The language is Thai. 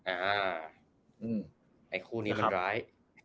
อ่าาาไอ้คู่นี้มันร้าย